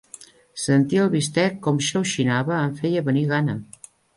Sentir el bistec com xauxinava em feia venir gana.